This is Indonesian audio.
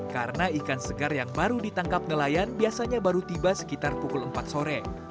karena ikan segar yang baru ditangkap nelayan biasanya baru tiba sekitar pukul empat sore